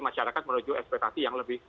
masyarakat menuju ekspektasi yang lebih